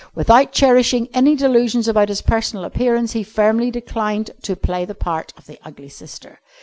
Without cherishing any delusions about his personal appearance, he firmly declined to play the part of the ugly sister.